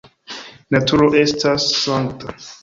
Naturo estas sankta.